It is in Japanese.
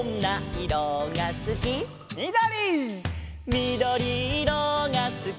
「みどりいろがすき」